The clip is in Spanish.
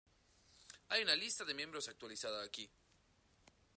Hay una lista de miembros actualizada aquí.